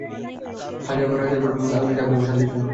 হাজার বার, হাজার বার আগুনে ঝাঁপ দেব, শান্তির জন্য।